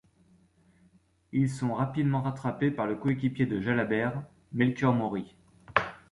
Ils sont rapidement rattrapés par le coéquipier de Jalabert, Melchior Mauri.